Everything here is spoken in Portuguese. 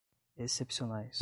excepcionais